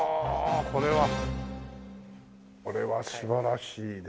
これはこれは素晴らしいですね。